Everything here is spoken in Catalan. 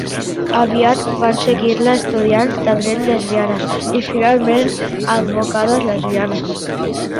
Aviat van seguir-la estudiants de dret lesbianes i, finalment, advocades lesbianes.